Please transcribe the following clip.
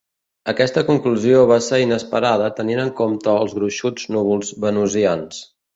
Aquesta conclusió va ser inesperada tenint en compte els gruixuts núvols venusians.